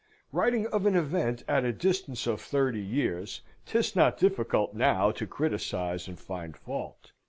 Writing of an event at a distance of thirty years, 'tis not difficult now to criticise and find fault.